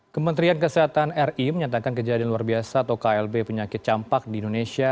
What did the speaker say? kementerian kesehatan ri menyatakan kejadian luar biasa atau klb penyakit campak di indonesia